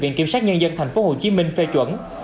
viện kiểm sát nhân dân tp hcm phê chuẩn